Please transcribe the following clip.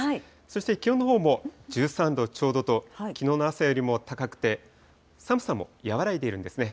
そして気温のほうも１３度ちょうどと、きのうの朝よりも高くて、寒さも和らいでいるんですね。